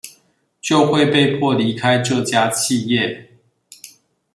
就會被迫離開這家企業